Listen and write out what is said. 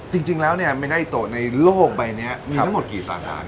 จริงแล้วไม่ได้ต่อในโลกใบนี้มีทั้งหมดกี่สาขานะครับ